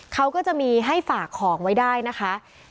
เขาก็จะมีให้ฝากของไว้ได้นะคะ